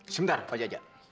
sebentar pak jaja